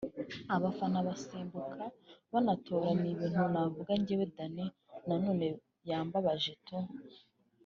abafana basimbuka banatora ni ibintu navuga njyewe Danny Nanone yambabaje tu…”